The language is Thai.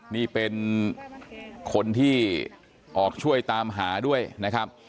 นี่เป็นคนที่ออกช่วยตามหาด้วยนะครับ